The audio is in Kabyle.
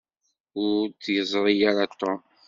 Ur t-yeẓṛi ara Tom.